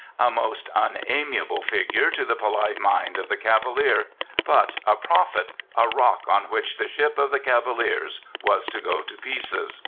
A most unamiable figure to the polite mind of the Cavalier; but a prophet, a rock on which the ship of the Cavaliers was to go to pieces.